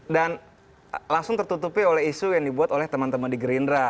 dan langsung tertutupi oleh isu yang dibuat oleh teman teman di gerindra